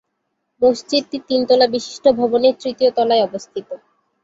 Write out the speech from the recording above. মসজিদটি তিন তলা বিশিষ্ট ভবনের তৃতীয় তলায় অবস্থিত।